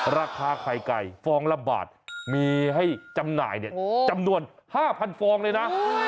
ราคาไข่ไก่ฟองละบาทมีให้จำหน่ายเนี่ยจำนวน๕๐๐ฟองเลยนะ